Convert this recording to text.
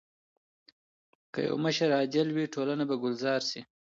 که يو مشر عادل وي ټولنه به ګلزار سي.